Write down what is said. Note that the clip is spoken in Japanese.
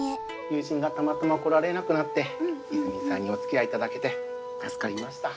友人がたまたま来られなくなっていづみさんにお付き合いいただけて助かりました。